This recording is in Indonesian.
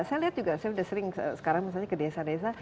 saya lihat juga saya sering sekarang ke desa desa